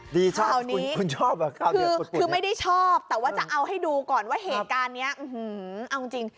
ดีข่าวนี้คือไม่ได้ชอบแต่ว่าจะเอาให้ดูก่อนว่าเหตุการณ์นี้เอาจริง